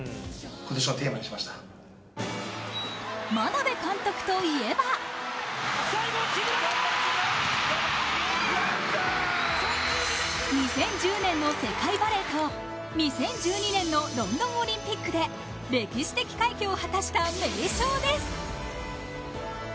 眞鍋監督といえば２０１０年の世界バレーと２０１２年のロンドンオリンピックで歴史的快挙を果たした名将です。